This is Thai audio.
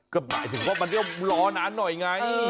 ก็หมายถึงว่ามันเรียกว่ารอนานหน่อยไง